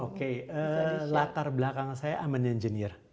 oke latar belakang saya i'm an engineer